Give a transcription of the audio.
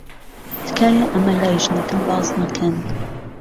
تکایە ئەمە لای ژنەکەم باس مەکەن.